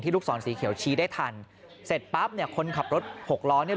ลูกศรสีเขียวชี้ได้ทันเสร็จปั๊บเนี่ยคนขับรถหกล้อเนี่ย